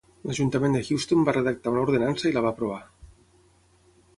L'ajuntament de Houston va redactar una ordenança i la va aprovar.